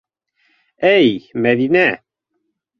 Эй Мәҙинә!